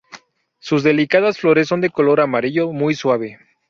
Sus delicadas flores de color amarillo muy suave.